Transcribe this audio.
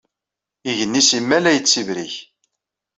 Igenni simmal a yettibrik.